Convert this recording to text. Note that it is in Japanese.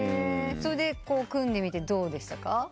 それで組んでみてどうでしたか？